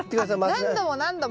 あっ何度も何度も？